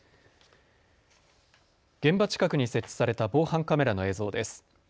現場近くに設置された防犯カメラの映像です。